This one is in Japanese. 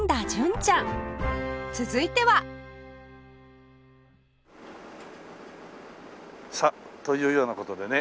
続いてはさあというような事でね